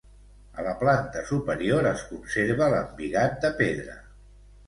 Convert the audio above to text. A la planta superior es conserva l'embigat de pedra.